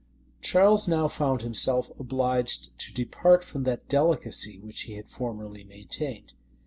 Charles now found himself obliged to depart from that delicacy which he had formerly maintained.